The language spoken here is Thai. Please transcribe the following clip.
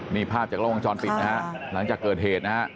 นี่ภาพจากล้องวงจรปิดนะฮะหลังจากเกิดเหตุนะฮะ